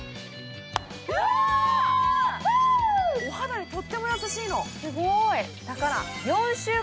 お肌にとっても優しいの。